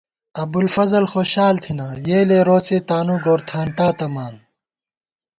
ابُوالفضل خوشال تھنہ یېلےروڅےتانُوگورتھانتا تَمان